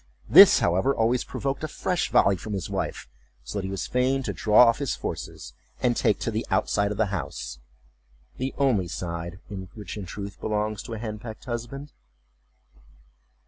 This, however, always provoked a fresh volley from his wife; so that he was fain to draw off his forces, and take to the outside of the house—the only side which, in truth, belongs to a hen pecked husband.